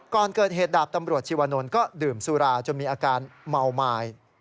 ก่อนเกิดเหตุดาบตำรวจชีวานนท์ก็ดื่มสุราจนมีอาการเมาไม้